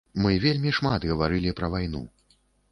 Мы вельмі шмат гаварылі пра вайну.